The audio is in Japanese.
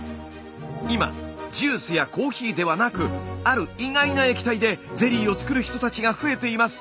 今ジュースやコーヒーではなくある意外な液体でゼリーを作る人たちが増えています。